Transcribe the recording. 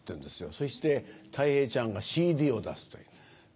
そしてたい平ちゃんがＣＤを出すというね。